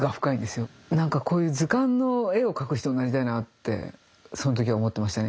何かこういう図鑑の絵を描く人になりたいなってその時は思ってましたね。